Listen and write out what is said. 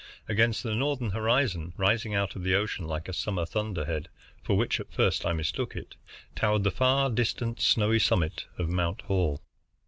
Against the northern horizon, rising out of the ocean like a summer thunder head, for which at first I mistook it, towered the far distant, snowy summit of Mount Hall.